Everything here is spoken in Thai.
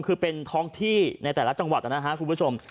คือเป็นท้องที่ในแต่ละจังหวัดนะครับคุณผู้ชม